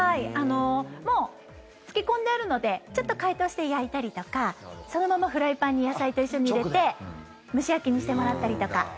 もう漬け込んであるのでちょっと解凍して焼いたりとかそのままフライパンに野菜と一緒に入れて蒸し焼きにしてもらったりとか。